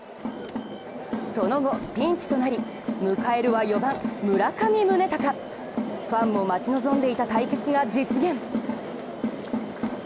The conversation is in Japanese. その後、ピンチとなり迎えるは４番・村上宗隆ファンも待ち望んでいた対決が実現。